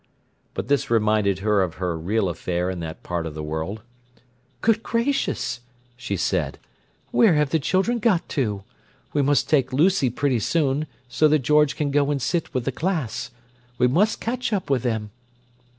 But this reminded her of her real affair in that part of the world. "Good gracious!" she said. "Where have the children got to? We must take Lucy pretty soon, so that George can go and sit with the Class. We must catch up with them."